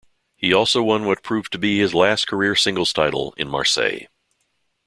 He also won what proved to be his last career singles title in Marseille.